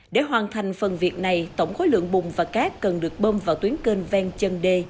để hoàn thành phần việc này tổng khối lượng bùng và cát cần được bơm vào tuyến kênh ven chân đê